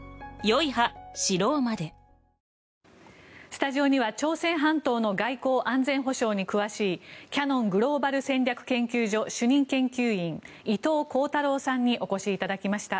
スタジオには朝鮮半島の外交・安全保障に詳しいキヤノングローバル戦略研究所主任研究員伊藤弘太郎さんにお越しいただきました。